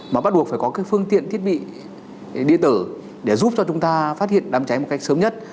mà bắt buộc phải có cái phương tiện thiết bị điện tử để giúp cho chúng ta phát hiện đám cháy một cách sớm nhất